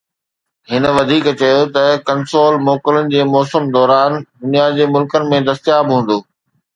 هن وڌيڪ چيو ته ڪنسول موڪلن جي موسم دوران دنيا جي ملڪن ۾ دستياب هوندو